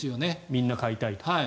みんな買いたいと。